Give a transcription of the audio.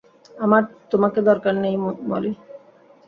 আমার তোমাকে দরকার নেই, মলি!